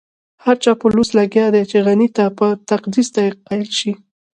هر چاپلوس لګيا دی چې غني ته په تقدس قايل شي.